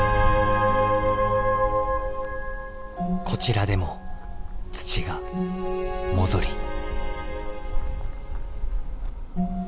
こちらでも土がもぞり。